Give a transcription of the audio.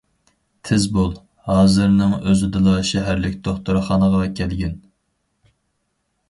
تېز بول، ھازىرنىڭ ئۆزىدىلا شەھەرلىك دوختۇرخانىغا كەلگىن.